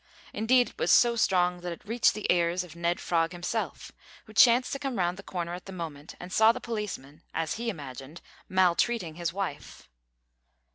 Indeed it was so strong that it reached the ears of Ned Frog himself, who chanced to come round the corner at the moment and saw the policeman, as he imagined, maltreating his wife.